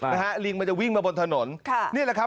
นะฮะลิงมันจะวิ่งมาบนถนนค่ะนี่แหละครับ